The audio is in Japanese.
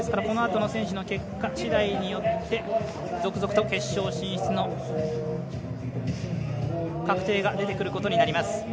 このあとの選手の結果しだいによって続々と決勝進出の確定が出てくることになります。